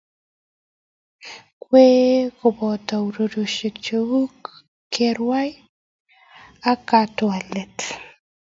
Ng'waek ko boto urerioshek cheterter kou kerwai ak katwalet